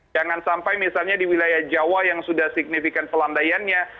jangan sampai misalnya di wilayah jawa yang sudah signifikan pelandaiannya